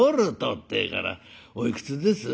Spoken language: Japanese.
ってえから「おいくつです？」。